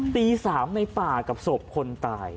ตี๓ในป่ากับศพคนตาย